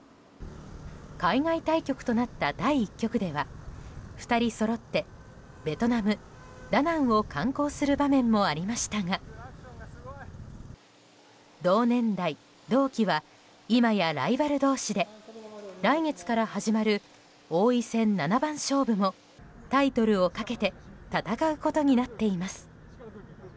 海外対局となった第１局では２人そろってベトナム・ダナンを観光する場面もありましたが同年代・同期は今やライバル同士で来月から始まる王位戦七番勝負もタイトルをかけて戦うことになっています。